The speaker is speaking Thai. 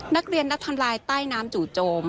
นักเรียนนักทำลายใต้น้ำจู่โจม